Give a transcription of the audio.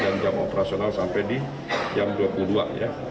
dan jam operasional sampai di jam dua puluh dua ya